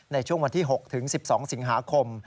ในช่วงวันที่๖ถึง๑๒สิงหาคม